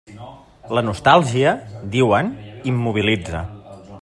La nostàlgia, diuen, immobilitza.